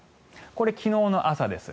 これ、昨日の朝です。